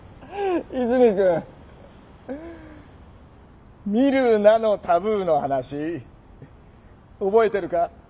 泉くん「見るなのタブー」の話覚えてるか。